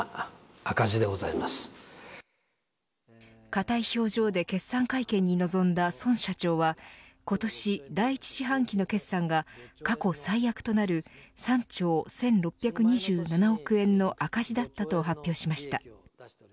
硬い表情で決算会見に臨んだ孫社長は今年第１四半期の決算が過去最悪となる３兆１６２７億円の赤字だったと発表しました。